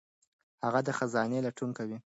هغه د خزانې لټون کوي.